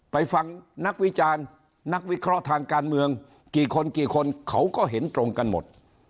ไปฟังนักวิจารณ์นักวิเคราะห์ทางการเมืองกี่คนกี่คนเขาก็เห็นตรงกันหมด